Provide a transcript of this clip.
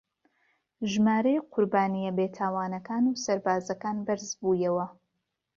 ژمارەی قوربانییە بێتاوانەکان و سەربازەکان بەرز بوویەوە